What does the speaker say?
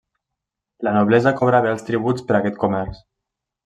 La noblesa cobrava alts tributs per aquest comerç.